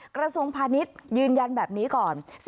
กระทรวงพาณิชย์ยืนยันแบบนี้ก่อน